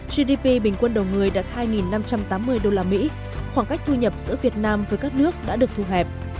gdp bình quân đầu người đạt hai năm trăm tám mươi usd khoảng cách thu nhập giữa việt nam với các nước đã được thu hẹp